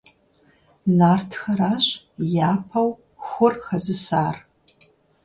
Нартхэращ япэу хур хэзысар.